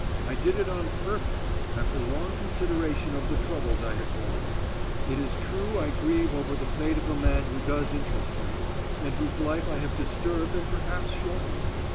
I did it on purpose, after long consideration of the troubles I had borne. It is true I grieve over the fate of a man who does interest me, and whose life I have disturbed and perhaps shortened.